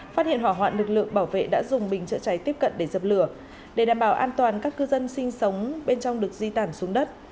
phát hiện hỏa hoạn lực lượng bảo vệ đã dùng bình chữa cháy tiếp cận để dập lửa để đảm bảo an toàn các cư dân sinh sống bên trong được di tản xuống đất